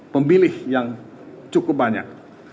pemilih yang cukup banyak